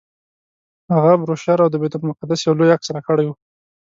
هغه بروشر او د بیت المقدس یو لوی عکس راکړی و.